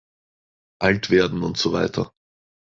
Alt werden und so weiter.